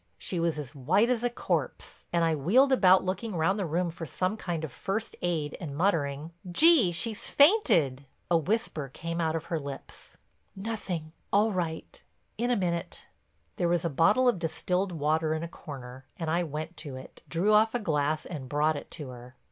She was as white as a corpse, and I wheeled about looking round the room for some kind of first aid and muttering, "Gee, she's fainted!" A whisper came out of her lips: "Nothing—all right—in a minute." There was a bottle of distilled water in a corner and I went to it, drew off a glass and brought it to her.